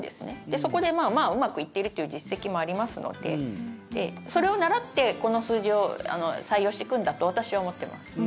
そこでまあまあうまくいっているという実績もありますのでそれを倣ってこの数字を採用していくんだと私は思っています。